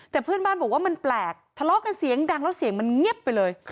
แต่เพื่อนบ้านบอกว่ามันแปลกทะเลาะกันเสียงดังแล้วเสียงมันเงียบไปเลย